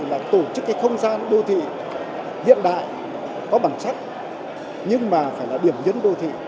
là tổ chức cái không gian đô thị hiện đại có bản sắc nhưng mà phải là điểm nhấn đô thị